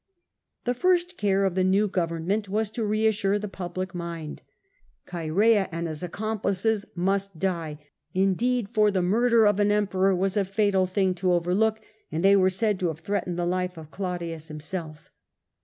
The first care of the new government was to reassure the public mind. Choerea and his accom plices must die, indeed ; for the murder of an Emperor was a fatal thing to overlook, and the public they were said to have threatened the life of Claudius himself.